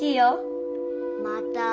また！